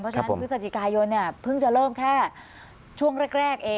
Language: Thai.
เพราะฉะนั้นพฤศจิกายนเนี่ยเพิ่งจะเริ่มแค่ช่วงแรกเอง